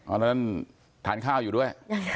อ้อันต้านทานข้าวอยู่ด้วย